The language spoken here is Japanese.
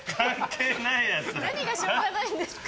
何がしょうがないんですか？